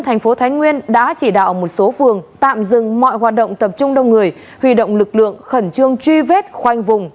thành phố thái nguyên đã chỉ đạo một số phường tạm dừng mọi hoạt động tập trung đông người huy động lực lượng khẩn trương truy vết khoanh vùng